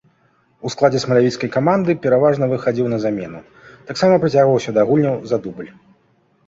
У складзе смалявіцкай каманды пераважна выхадзіў на замену, таксама прыцягваўся да гульняў за дубль.